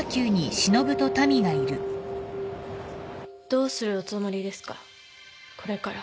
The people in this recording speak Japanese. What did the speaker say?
どうするおつもりですかこれから。